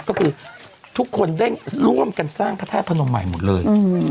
ก็คือทุกคนได้ร่วมกันสร้างพระธาตุพนมใหม่หมดเลย